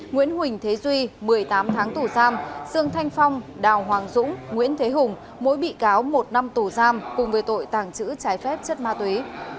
nguyễn huỳnh thế duy một mươi tám tháng tù giam dương thanh phong đào hoàng dũng nguyễn thế hùng mỗi bị cáo một năm tù giam cùng với tội tàng trữ trái phép chất ma túy